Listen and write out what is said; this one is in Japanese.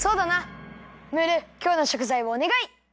ムールきょうのしょくざいをおねがい！